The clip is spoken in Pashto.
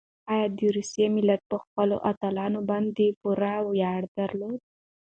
ایا د روسیې ملت په خپلو اتلانو باندې پوره ویاړ درلود؟